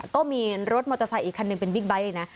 ก็มีรถมอเตอร์ไซค์อีกคันหนึ่งเป็นบิ๊กไบท์เลยนะ